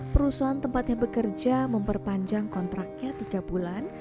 perusahaan tempatnya bekerja memperpanjang kontraknya tiga bulan